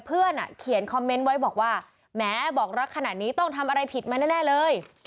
เพื่อนเขียนคอมเมนต์ไว้บอกว่าแม้บอกรักขนาดนี้ต้องทำอะไรผิดมาแน่เลย